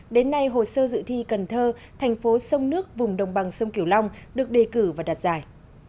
đến nay hồ sơ dự thi cần thơ thành phố sông nước vùng đồng bằng sông kiểu long được đề cử và đặt giải